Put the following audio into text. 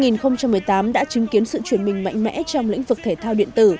năm hai nghìn một mươi tám đã chứng kiến sự chuyển mình mạnh mẽ trong lĩnh vực thể thao điện tử